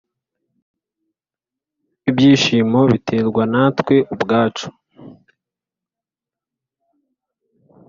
“ibyishimo biterwa natwe ubwacu.”